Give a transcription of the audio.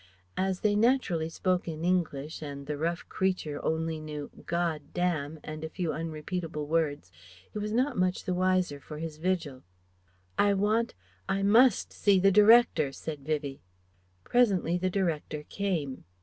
As they naturally spoke in English and the rough creature only knew "God dam," and a few unrepeatable words, he was not much the wiser for his vigil. "I want I must see the Director," said Vivie. Presently the Director came.